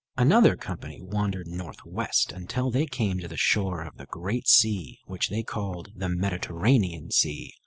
Another company wandered northwest until they came to the shore of the great sea which they called the Mediterranean Sea.